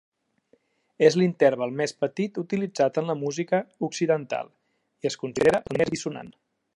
És l'interval més petit utilitzat en la música occidental, i es considera el més dissonant.